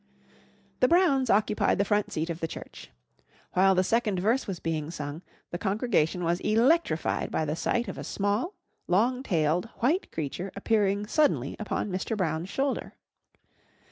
The Browns occupied the front seat of the church. While the second verse was being sung, the congregation was electrified by the sight of a small, long tailed white creature appearing suddenly upon Mr. Brown's shoulder.